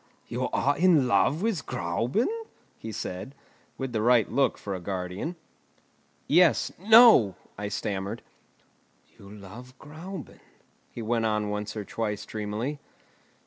you are in love with Gräuben?" he said, with the right look for a guardian. "Yes; no!" I stammered. "You love Gräuben," he went on once or twice dreamily.